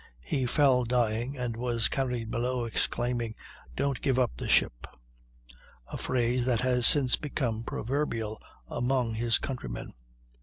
He fell dying, and was carried below, exclaiming: "Don't give up the ship" a phrase that has since become proverbial among his countrymen.